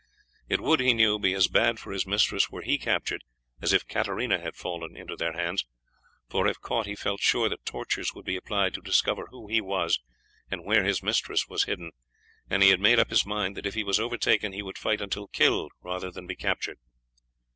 It would, he knew, be as bad for his mistress were he captured as if Katarina had fallen into their hands, for if caught he felt sure that tortures would be applied to discover who he was and where his mistress was hidden, and he had made up his mind that if he was overtaken he would fight until killed rather than be captured.